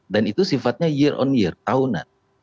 dan itu sifatnya year on year tahunan